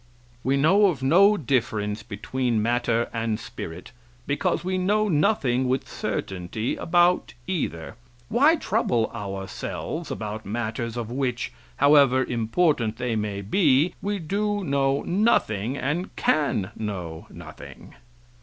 [* "We know of no difference between matter and spirit, because we know nothing with certainty about either. Why trouble ourselves about matters of which, however important they may be we do know nothing and can know nothing?"